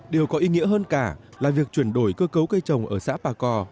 điều có ý nghĩa hơn cả là việc chuyển đổi cơ cấu cây trồng ở xã bà cò